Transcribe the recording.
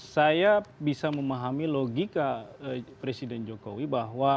saya bisa memahami logika presiden jokowi bahwa